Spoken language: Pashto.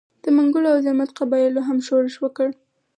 د منګلو او زرمت قبایلو هم ښورښ وکړ.